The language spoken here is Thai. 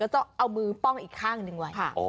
ก็จะเอามือป้องอีกข้างนึงไว้